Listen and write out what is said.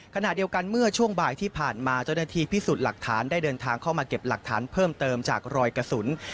ขณะเดียวกันเมื่อช่วงบ่ายที่ผ่านมาเจ้าหน้าที่พิสูจน์หลักฐานได้เดินทางเข้ามาเก็บหลักฐานเพิ่มเติมจากรอยกระสุน